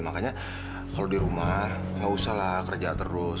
makanya kalau di rumah nggak usahlah kerja terus